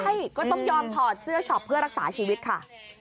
ใช่ก็ต้องยอมถอดเสื้อช็อปเพื่อรักษาชีวิตค่ะ